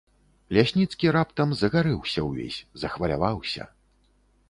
Лясніцкі раптам загарэўся ўвесь, захваляваўся.